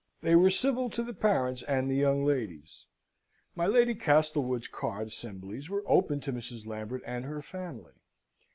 They were civil to the parents and the young ladies. My Lady Castlewood's card assemblies were open to Mrs. Lambert and her family.